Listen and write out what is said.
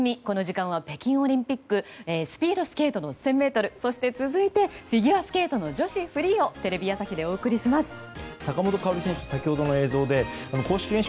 この時間は北京オリンピックスピードスケート１０００ｍそして、続いてフィギュアスケートの女子フリーをテレビ朝日でお送りします。